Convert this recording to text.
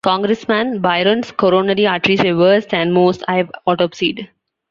"Congressman Byron's coronary arteries were worse than most I've autopsied."